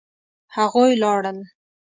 هغوی لاړل